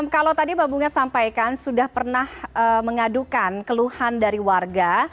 kalau tadi mbak bunga sampaikan sudah pernah mengadukan keluhan dari warga